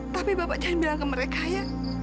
tapi bapak jangan bilang ke mereka ya